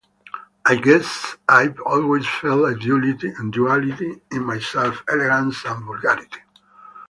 I guess I've always felt a duality in myself: elegance and vulgarity.